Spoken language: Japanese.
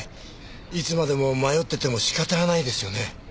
いつまでも迷ってても仕方ないですよね。